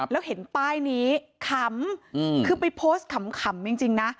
แล้วเห็นป้ายนี้ขำคือไปโพสต์ขำจริงนะ